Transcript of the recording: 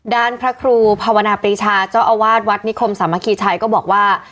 ด้านพระครูภาวนาปรีชาเจ้าอาวาสวัดนิคมสามัคคีชัยก็บอกว่า